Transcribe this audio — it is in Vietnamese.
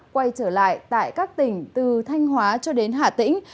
quay trở lại tại các tỉnh từ thanh hóa cho đến hà tĩnh